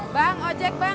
bang ojek bang